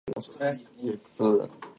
It is published and copyrighted by Gigamic.